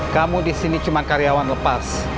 kamu di sini cuma karyawan lepas